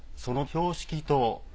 その標識灯。